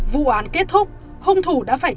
vụ án kết thúc hung thủ đã phải